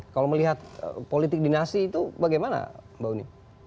kalau melihat politik dinasti itu bagaimana mbak uni